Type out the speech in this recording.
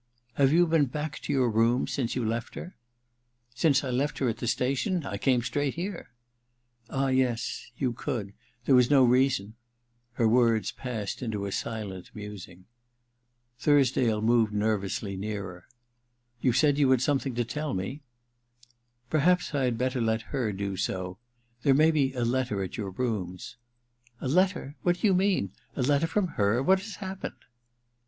•Have you been back to your rooms since you left her ?'* Since I left her at the station ? I came straight here,' • r I ■> I THE DILETTANTE 273 *Ah, yes — you could: there was no reason Her words passed into a silent musing. Thursdale moved nervously nearer. *You said you had something to tell me }'* Perhaps I had better let her do so. There may be a letter at your rooms.* * A letter ? What do you mean } A letter from her ? What has happened